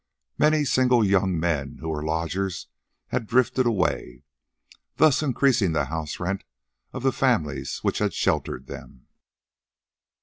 Many single young men who were lodgers had drifted away, thus increasing the house rent of the families which had sheltered them.